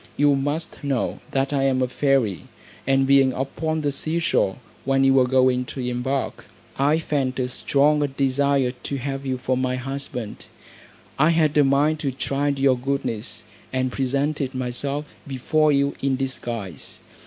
You must know, that I am a fairy, and being upon the sea shore, when you were going to embark, I felt a strong desire to have you for my husband; I had a mind to try your goodness, and presented myself before you in disguise.